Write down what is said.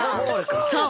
そう。